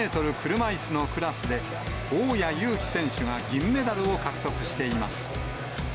車いすのクラスで、大矢勇気選手が銀メダルを獲得しています。